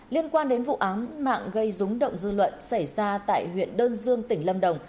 liên quan đến vụ án mạng gây rúng động dư luận xảy ra tại huyện đơn dương tỉnh lâm đồng